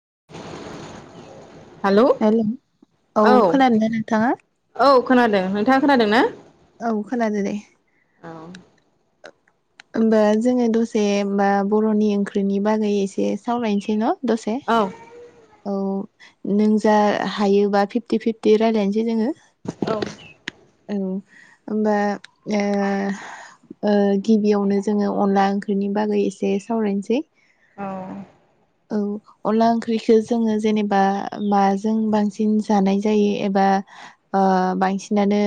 [unintelligible] Hello औ खोनादोंना नोंथाङा औ खोनादों नोंथाङा खोनादों ना औ खोनादो दे औ होमबा जोङो दसे बा बर'नि ओंख्रिनि बागै एसे सावरायनोसै न' द'से औ औ नों जा हायोबा फिफ्टि फिफ्टि रायलायनोसै जोङो औ ओं होमबा ओ ओ गिबियावनो जोङो अनला ओंख्रिनि बागै एसे सावरायनोसै। औ औ अनला ओंख्रिखौ जोङो जेनेबा माजों बांसिन जानाय जायो एबा ओ बांसिनानो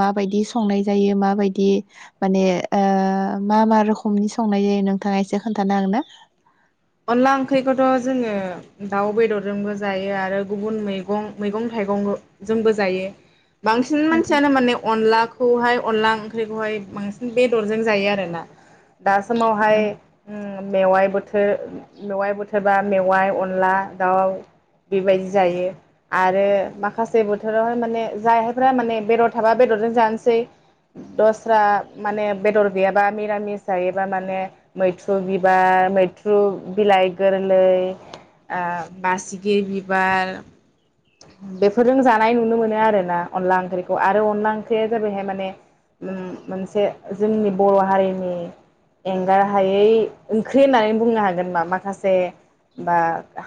माबायदि संनाय जायो माबायदि माने ओ मा मा रोखोमनि संनाय जायो नोंथाङा एसे खोन्थानो हागोन ना? अनला ओंख्रिखौथ' जोङो दाउ बेदरजोंबो जायो आरो गुबुन मैगं मैगं थाइगंजोंबो जायो बांसिन मानसियानो माने अनला खौहाय अनला ओंख्रिखौहाय बांसिन बेदरजों जायो आरोना। दा समावहाय ओ मेवाइ बोथोर मेवाय बोथोरबा मेवाइ, अनला, दाउ बेबायदि जायो आरो माखासे बोथोरावहाय माने जायाफ्रा माने बेदर थाबा बेदरजों जानोसै दस्रा माने बेदर गैयाबा मिरामिस जायोबा माने मैथ्रु बिबार मै [unintelligible] [unintelligible] बिलाइ गोरलै आं बासिगि बिबार बेफोरजों जानाय नुनो मोनो आरोना अनला ओंख्रिखौ आरो अनला ओंख्रिया जाबायहाय माने उम मोनसे जोंनि बर' हारिनि एंगार हायै ओंख्रि होननानै बुंनो हागोन मा माखासे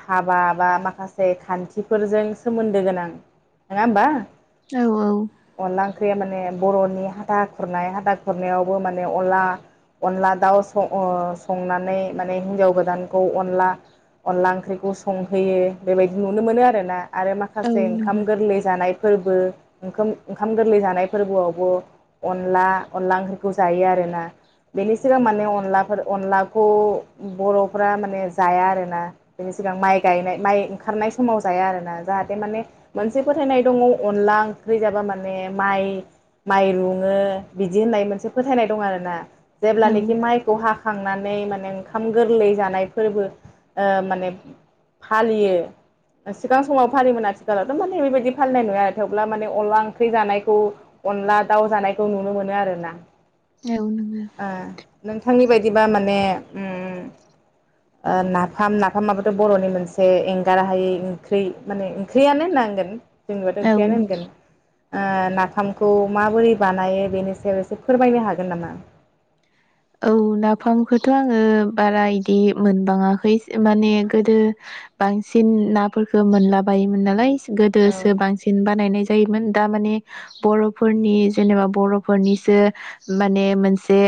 हाबा बा माखासे खान्थिफोरजों सोमोन्दो गोनां नङा होमबा? औ अनला ओंख्रिया माने बर'नि हाथा खुरनाय हाथा खुरनायावबो माने अनला अनला दाउ सह संनानै माने हिन्जाव गोदानखौ अनला अनला ओंख्रिखौ संहोयो बेबायदि नुनो मोनो आरो ना आरो औ माखासे ओंखाम नंगौ गोरलै जानाय फोरबो ओंखाम ओंखाम गोरलै जानाय फोरबोआवबो अनला अनला ओंख्रिखौ जायो आरोना बेनि सिगां माने अनलाफोर अनलाखौ बर'फ्रा माने जाया आरो ना बिनि सिगां माइ गायनाय माइ ओंखारनाय समाव जाया आरो ना जाहाथे माने मोनसे फोथायनाय दङ अनला ओंख्रि जाबा माने माइ माइ रुङो बिदि होननाय मोनसे फोथायनाय दं आरो ना। जेब्लानाखि औ माइखौ हा खांनानै माने ओंखाम ओंखाम गोरलै जानाय फोरबो ओ माने फालियो सिगां समाव फालियोमोन आथिखालावथ' माने बेबायदि फालिनाय नुवा आरो थेवब्ला माने अनला ओंख्रि जानायखौ अनला दाउ जानायखौ नुनो मोनो आरो ना। औ नंगौ ओ नोंथांनि बायदि [unintelligible] माने ओम ओ नाफाम नाफामाबोथ' बर'नि मोनसे एंगार हायै ओंख्रि माने ओंख्रियानो होननांगोन जेनबाथ' ओंख्रियानो औ होनगोन ओ नाफामखौ माबोरै बानायो बेनि सायाव एसे फोरमायनो हागोन नामा? औ नाफामखौथ' आङो बारा इदि मोनबाङाखै माने गोदो बांसिन नाफोरफोरखौ मोनलाबायायोमोन नालाय औ गोदोसो बांसिन बानायनाय जायो जायोमोन दा माने बर'फोरनि जेनेबा बर'फोरनिसो माने मोनसे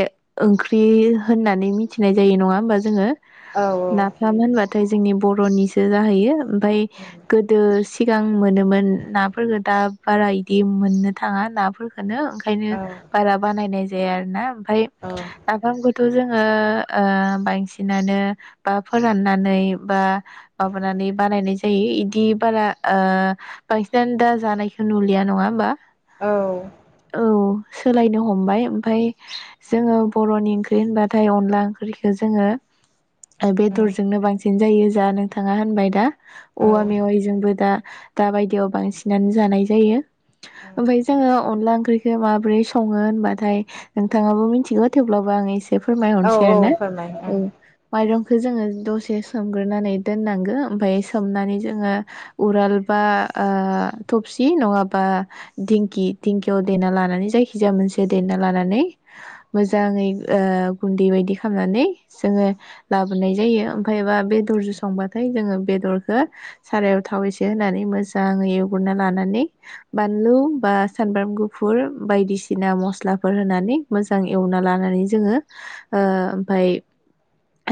ओंख्रि होननानै मिथिनाय जायो नङा होमबा जोङो। औ नाफाम होनबाथाय जोंनि बर'निसो जाहैयो। ओमफाय गोदो सिगां मोनोमोन नाफोरफोरखौ दा बारा इदि मोननो थाङा नाफोरफोरखौनो ओंखायनो बारा बानायनाय दे आरो ना ओमफाय औ आखाम गुद थ' जोङो ओ बांसिनानो बा फोराननानै बा माबानानै बानायनाय जायो। इदि बारा ओ बांसिनानो दा जानायखौ नुलिया नङा होमबा? औ। औ सोलायनो हमबाय ओमफाय जोङो बर'नि ओंख्रि होनबाथाय अनला ओंख्रिखो जोङो ओ औ बेदरजोंनो बांसिन जायो। जा नोंथाङा होनबाय दा औ औवा मेवाइजोंबो दा दा बायदियाव बांसिनानो जानाय जायो। ओमफाय जोङो अनला ओंख्रिखो माब्रै सङो होनबाथाय नोंथाङा बो मिन्थिगौ थेवब्लाबो आं एस दे औ फोरमायहरसै औ आरोना फोरमाय ओं औ माइरं खो जोङो दसे सोमग्रोनानै दोननांगो ओमफाय सोमनानै जोङो उराल बा ओ थबसि नङाबा दिंखि दिंखियाव देना लानानै जायखिजाया मोनसे देना लानानै मोजाङै ओ गुन्दै बायदि खालामनानै जोङो लाबोनाय जायो। ओमफ्रायबा बेदरजों संबाथाय जोङो बेदरखौ सारायाव थाव एसे होनानै मोजाङै एवग्रोना लानानै बानलु बा सामब्राम गुफुर बायदिसिना मस्लाफोर होनानै मोजां एवना लानानै जोङो ओ ओमफाय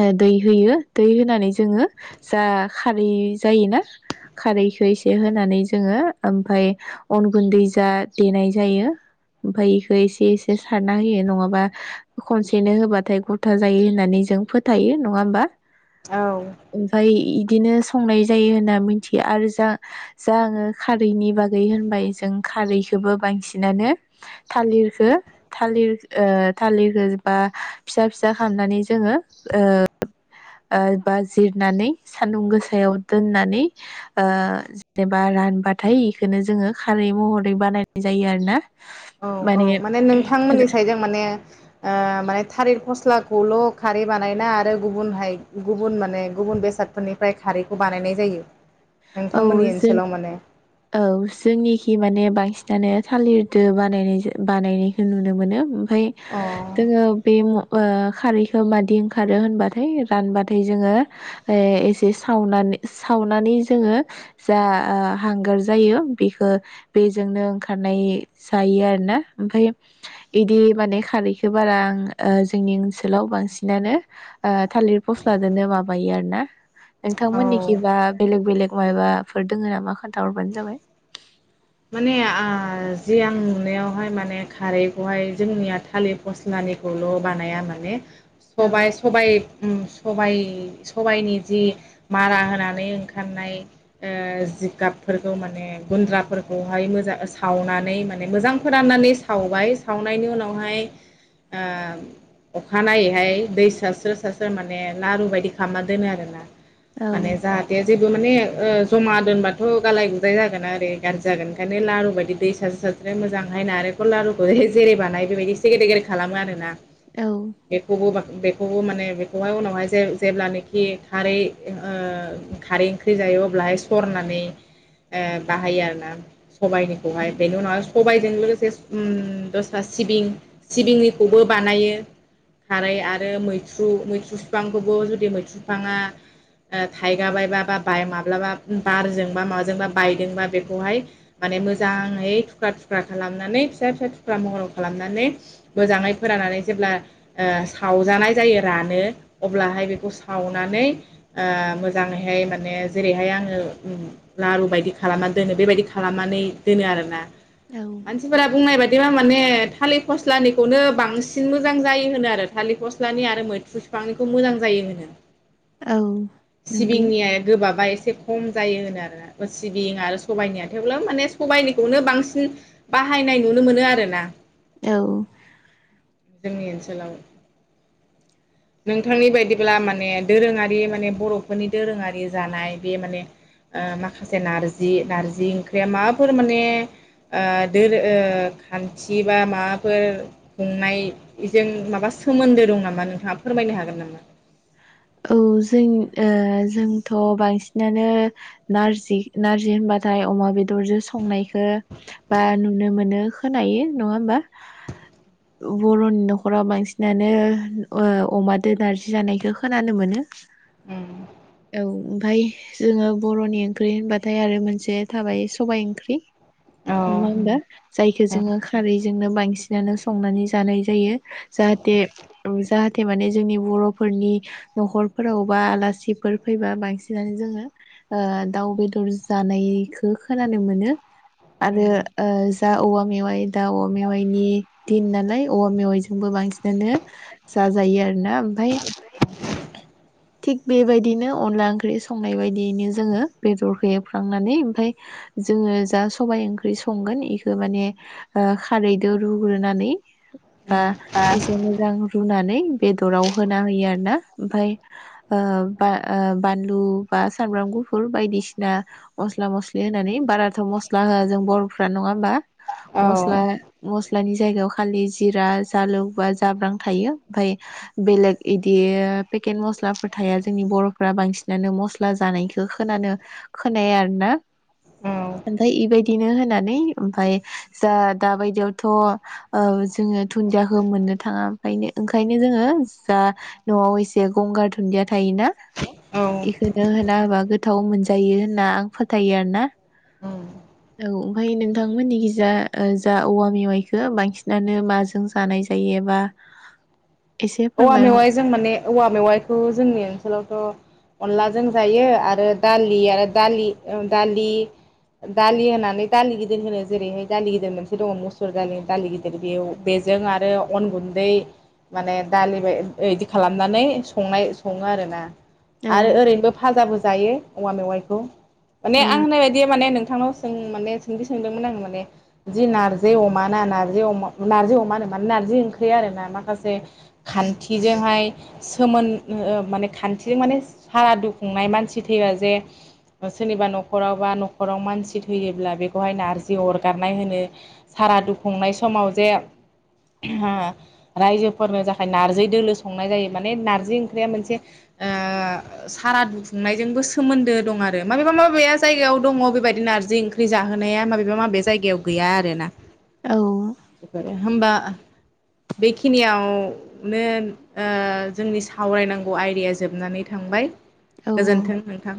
ओ दै होयो। दै होनानै जोङो जा खारै जायोना खारैखौ एसे होनानै जोङो ओमफाय अन गुन्दै जा देनाय जायो ओमफाय इखो एसे एसे सारना होयो नङाबा खनसेनो होबाथाय गथा जायो होननानै जों फोथायो नङा होमबा? औ ओमफ्राय इ दिनो संनाय जायो होनना मिथिया आरो जा जा आङो खारैनि बागै होनबाय जों खारैखोबो बांसिनानो थालिरखो थालिर ओ थालिरखो बा फिसा फिसा खामनानै जोङो ओ ओ बा जिरनानै सानदुं गोसायाव दोननानै ओ जेनेबा रानबाथाय इखो जोङो खारै महरै बानायनाय जायो आरो ना। औ औ माने नों थांमोननि साइदजों माने [unintelligible] ओ माने थालिर फस्लाखौल' खारै बानायना आरो गुबुनहाय गुबुन माने गुबुन बेसादफोरनिफ्राय खारैखौ बानायनाय जायो। औ नोंथांमोननि जों ओनसोलाव माने औ जोंनिखि माने बांसिन दानो थालिरदो बानायनाय जो बानायनायखो नुनो मोनो। फाय अ जोङो बे म वा खारैखौ मादि ओंखारो होनबाथाय रानबाथाय जोङो ओ एसे सावनानै सावनानै जोङो जा आ हांगार जायो बेखो बेजोंनो ओंखारनाय जायो आरोना। ओमफाय इदि माने खारैखो बारा आं ओ जोंनि ओनसोलाव बांसिनानो ओ थालिर फस्लाजोंनो माबायो आरो ना। नोंथांमोननिखि औ बा बेलेग बेलेग मायबाफोर दोङो नामा खोन्थाहरबानो जाबाय। माने आ जि आं नुनायावहाय माने खारैखौहाय जोंनिया थालिर फस्लानिखौल' बानाया माने। औ सबाय, सबाय उम सबाय सबायनि जि मारा होनानै ओंखारनाय ओ जिगाबफोरखौ माने गुन्द्राफोर खौहाय मोजां सावनानै माने मोजां फोराननानै सावबाय सावनायनि उनावहाय ओ अखा नायैहाय दै सारस्रो सारस्रो माने लारु बायदि खालामना दोनो आरोना। माने जाहाथे। जेबो माने ओ ज'मा दोनबाथ' गालाय गुजाय जागोन आदै गारजि जागोन ओंखायनो लारु बायदि दै सास्रो सास्रो मोजांहाय नारेंखर लारुखौ जेरै बानायो बेबायदि एसे गेदेर गेदेर खालामो आरोना। औ बेखौबो बां बेखौबो माने बेखौहाय उनावहाय जे जेब्लानोखि खारै ओ खारै ओंख्रि जायो अब्लाहाय सरनानै बाहायो आरो। ना। सबायानिखौहाय बेनि उनाव। सबायजों लोगोसे उम दस्रा सिबिं सिबिंनिखौबो बानायो खारै आरो मैथ्रु मैथ्रु बिफांखौबो जुदि मैथ्रु बिफाङा थाइगा बायबा बा ब माब्लाबा बारजोंबा माबाजोंबा बायदोंबा बे खौहाय माने मोजाङै थुख्रा थुख्रा खालामनानै फिसा फिसा थुख्रा महर खालामनानै मोजाङै फोराननानै जेब्ला ओ सावजानाय जायो रानो अब्लाहाय बेखौ सावनानै ओ मोजाङैहाय माने जेरैहाय आङो लारु बायदि खालामनान दोनो बेबायदि खालामनानै दोनो आरोना औ मानसिफोरा बुंनाय बायद बा माने थालिर फस्लानिखौनो बांसिन मोजां जायो होनो आरो थालिर फस्लानि आरो मैथ्रु बिफांनिखौ मोजां जायो होनो औ नंगौ सिबिंनिया गोबाबा एसे एसे खम जायो होनो आरो ना सिबिं आरो सबाइनिया थेवब्ला माने सबायाइनिखौनो बांसिन बाहायनाय नुनो मोनो आरोना? औ जोंनि ओनसोलाव नोंथांनि बायदिब्ला माने दोरोङारि माने बर'फोरनि दोरोङारि जानाय बे माने ओ माखासे नारजि नारजि ओंख्रिया माबाफोर माने ओ दोर ओ खान्थि बा माबाफोर खुंनायजों माबा सोमोन्दो दं नामा नोंथाङा फोरमायनो हागोन नामा? औ जों ओ जोंथ' बांसिनानो नारजि नार्जि होनबाथाय अमा बेदरजों संनायखौ बा नुनो मोनो खोनायो नङा ओमबा बर'नि न'खराव बांसिनानो ओ अमादो नारजि जानायखौ खोनानो मोनो। उम औ ओमफाय जोङो बर'नि ओंख्रि होनबाथाय आरो मोनसे थाबाय सबाइ ओंख्रि। औ नङा ओमबा? जायखौ जोङो खारैजोंनो बांसिनानो संनानै जानाय जायो जाहाथे जाहाथे माने जोंनि बर'फोरनि न'खरफोरावबा आलासिफोर फैबा बांसिनानो जोङो ओ दाउ बेदर जानायखौ खोनानो मोनो आरो ओ जा औवा मेवाइ दा औवा मेवाइनि दिन नालाय औवा मेवाइजोंबो बांसिनानो जाजायो आरोना ओमफाय थिग बेबायदिनो अनला ओंख्रि संनाय बायदियैनो जोङो बेदरखौ एवफ्रामनानै ओमफाय जोङो जा सबायाइ ओंख्रि संगोन बेखौ माने खारैजों रुग्रोनानै बा एसे मोजां रुनानै बेदराव होना होयो आरना ओमफाय ओ बा ओ बानलु बा सामब्राम गुफुर बायदिसिना मस्ला मस्लि होनानै बाराथ' मस्ला होआ जों बर'फ्रा नङा ओमबा? मस्ला औ मस नानि जायगायाव खालि जिरा जालुक बा जाब्रां थायो ओमफाय बेलेग इदि पेक केन मस्लाफोर थाया जोंनि बर'फोरा बांसिनानो मस्ला जानायखौ खोनानो खोनाया आरोना ओमफाय इबायदिनो होनानै ओमफाय जा दाबायदियावथ ओ जोङो दुन्दियाखौ मोननो थाङा ओमफाय ओंखायनो जोङो जा न'आव एस बे गंगार दुुनन्दिया थायोना? औ इखोनो होना हाबा गोथाव मोनजायो होनना आं फोथायो आरोना? औ औ ओमफ्राय नोंथांमोननिखिजा ओ जा औवा मेवाइखौ बांसिनानो माजों जानाय जायोबा? औवा मेवाइ जों माने औवा मेवाइखौ जोंनि ओनसोलाव थ अनलाजों जायो आरो दालि आरो दालि दालि ओ दालि होनानै दालि गिदिर होनो जेरैहाय दालि गिदिर मोनसे दङ मुसुर दालि दालि गिदिर बेयाव बेजों आरो अन गुन्दै माने दालि बाय इदि खालामनानै संनाय सङो आरोना? औ आरो ओरैनोबो फाजा बोज जायो औवा मेवाइखौ माने औ आं होननाय बायदिया माने नों थांनाव सों माने सोंथि सोंदोंमोन आं माने जि नारजि अमा ना नारजि अ नारजि अमा होन मान नारजि ओंख्रि आरोना माखासे खान्थिजोंहाय सोमोन माने खान्थिजों माने सारादु खुंनाय मानसि थैबा जे सोरनिबा न'खराव बा न'खराव मानसि थैयोब्ला बेखौहाय नारजि अरगारनाय होनो सारादु खुंनाय समाव जे ओ रायजोफोरनो जा खाय नारजि दोलो संनाय जायो माने नार्जि ओंख्रिया मोनसे ओ सारादु खुंनायजोंबो सोमोन्दो दं आरो माबेबा माबेाया जायगायाव दङ बेबायदि नारजि ओंख्रि जाहोनाया माबेबा माबे जायगायाव गैया आरोना? औ बेफोरो होमबा बेखिनियाव नो ओ जोंनि सावरायनांगौ आयदाया जोबनानै थांबाय औ गोजोन्थों नोंथां